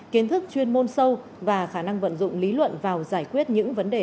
kiến thức chuyên môn sâu và khả năng vận dụng lý luận vào giải quyết những vấn đề